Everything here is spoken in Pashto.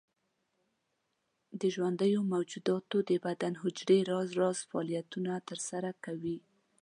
د ژوندیو موجوداتو د بدن حجرې راز راز فعالیتونه تر سره کوي.